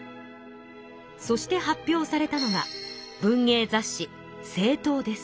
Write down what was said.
そして発表されたのが文芸雑誌「青鞜」です。